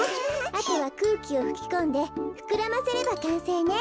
あとはくうきをふきこんでふくらませればかんせいね。